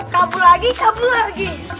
kabul lagi kabul lagi